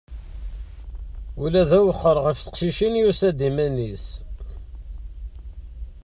Ula d awexxer ɣef teqcicin yusa-d iman-is.